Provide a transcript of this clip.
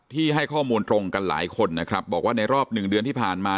ให้ข้อมูลตรงกันหลายคนนะครับบอกว่าในรอบหนึ่งเดือนที่ผ่านมา